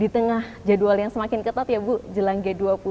di tengah jadwal yang semakin ketat ya bu jelang g dua puluh